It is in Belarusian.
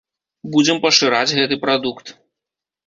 Будзем пашыраць гэты прадукт.